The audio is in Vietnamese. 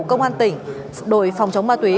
công an tỉnh đội phòng chống ma túy